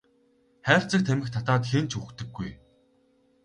Хайрцаг тамхи татаад хэн ч үхдэггүй.